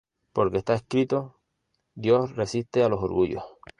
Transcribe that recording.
Porque está escrito: "Dios resiste a los orgullosos.